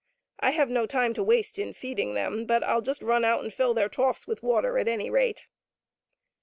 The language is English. I have no time to waste in feeding them, but FU just run out and fill their troughs with water at any rate."